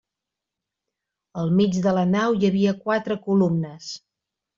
Al mig de la nau hi havia quatre columnes.